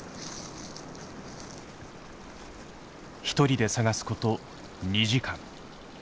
一人で探すこと２時間。